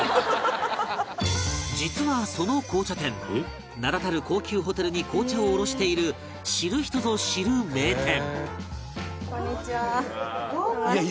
実はその紅茶店名だたる高級ホテルに紅茶を卸している知る人ぞ知る名店